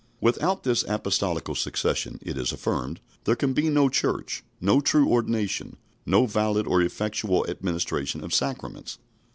Without this apostolical succession, it is affirmed, there can be no Church, no true ordination, no valid or effectual administration of sacraments.